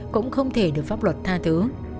cũng không thể được pháp luật tha thứ